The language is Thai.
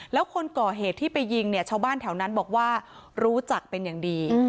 แล้วคนก่อเหตุที่ไปยิงเนี่ยชาวบ้านแถวนั้นบอกว่ารู้จักเป็นอย่างดี